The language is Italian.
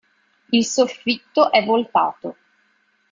Il soffitto è voltato.